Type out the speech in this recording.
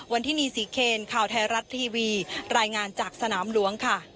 วันที่นี่ศรีเคนข่าวไทยรัฐทีวีรายงานจากสนามหลวงค่ะ